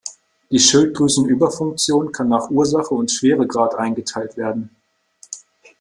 Die Schilddrüsenüberfunktion kann nach Ursache und Schweregrad eingeteilt werden.